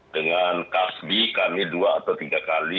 dengan kasbi kami dua atau tiga kali